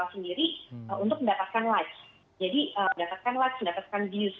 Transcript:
dijual sendiri untuk mendapatkan likes mendapatkan views